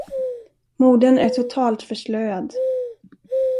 Modern är totalt förslöad.